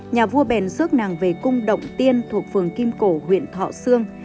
nhà vua bè xước nàng về cung động tiên thuộc phường kim cổ huyện thọ sương